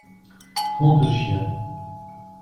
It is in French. Trente chiens.